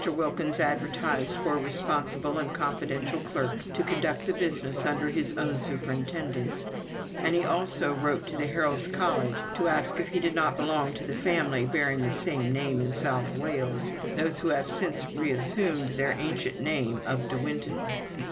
Wilkins advertised for a responsible and confidential clerk to conduct the business under his own superintendence; and he also wrote to the Heralds' College to ask if he did not belong to the family bearing the same name in South Wales those who have since reassumed their ancient name of De Winton.